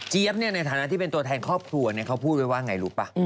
เจี๊ยบเนี่ยในฐานะที่เป็นตัวแทนครอบครัวเนี่ยเขาพูดไว้ว่าไงรู้ป่ะ